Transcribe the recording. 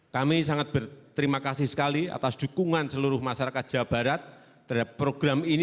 kami sangat berterima kasih sekali atas dukungan seluruh masyarakat jawa barat terhadap program ini